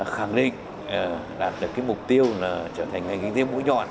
khẳng định đạt được cái mục tiêu là trở thành ngành kinh tế mũi nhọn